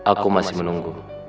aku masih menunggu